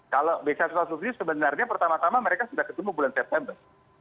kalau b satu ratus subsidi sebenarnya pertama tama mereka sudah ketemu bulan september